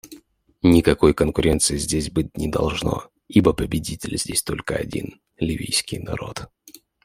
Никакой конкуренции здесь быть не должно, ибо победитель здесь только один — ливийский народ.